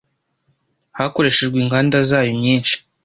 hakoreshejwe inganda zayo nyinshi